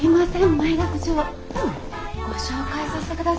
前田部長ご紹介させて下さい。